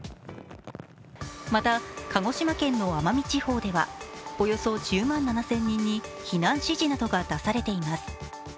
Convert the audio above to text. また、鹿児島県の奄美地方ではおよそ１０万７０００人に避難指示などが出されています。